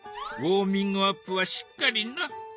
ウォーミングアップはしっかりな。